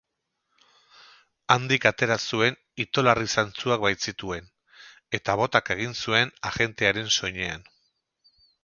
Handik atera zuen itolarri zantzuak baitzituen, eta botaka egin zuen agentearen soinean.